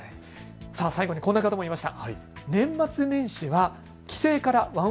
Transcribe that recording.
最後にこんな方もいました。